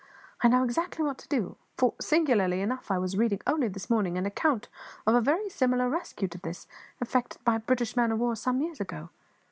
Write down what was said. I know exactly what to do, for, singularly enough, I was reading only this morning an account of a very similar rescue to this, effected by a British man o' war, some years ago.